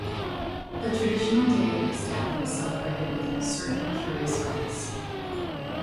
The traditional day of his death was celebrated with certain curious rites.